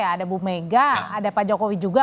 ada bu mega ada pak jokowi juga